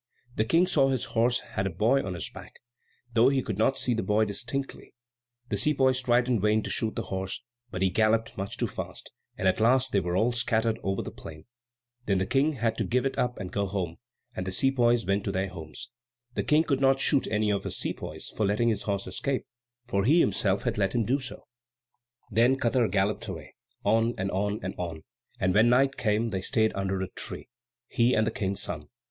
The King saw his horse had a boy on his back, though he could not see the boy distinctly. The sepoys tried in vain to shoot the horse; he galloped much too fast; and at last they were all scattered over the plain. Then the King had to give it up and go home; and the sepoys went to their homes. The King could not shoot any of his sepoys for letting his horse escape, for he himself had let him do so. Then Katar galloped away, on, and on, and on; and when night came they stayed under a tree, he and the King's son.